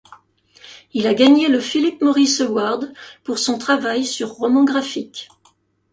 Il a gagné le Philip Morris Award pour son travail sur roman graphique.